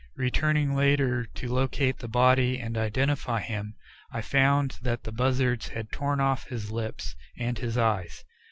Returning later to locate the body and identify him, I found that the buzzards had torn off his lips and his eyes.